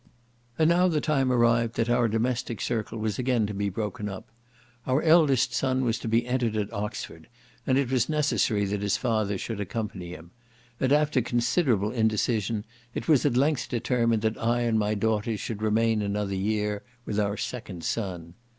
And now the time arrived that our domestic circle was again to be broken up. Our eldest son was to be entered at Oxford, and it was necessary that his father should accompany him; and, after considerable indecision, it was at length determined that I and my daughters should remain another year, with our second son.